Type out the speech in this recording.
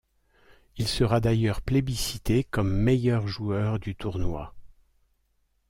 Il sera d'ailleurs plébiscité comme meilleur joueur du tournoi.